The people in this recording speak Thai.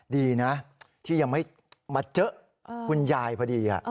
ดีนะที่ยังไม่มาเจอคุณยายพอดี